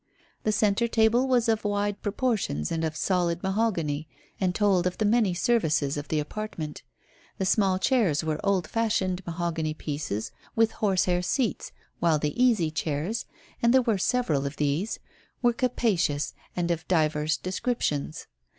The centre table was of wide proportions and of solid mahogany, and told of the many services of the apartment; the small chairs were old fashioned mahogany pieces with horse hair seats, while the easy chairs and there were several of these were capacious and of divers descriptions.